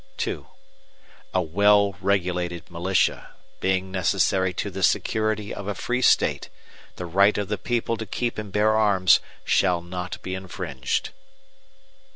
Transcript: II A well regulated militia, being necessary to the security of a free State, the right of the people to keep and bear arms, shall not be infringed.